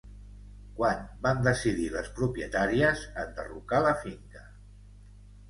Quan van decidir les propietàries enderrocar la finca?